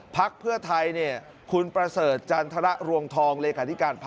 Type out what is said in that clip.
ภักดิ์เพื่อไทยนี่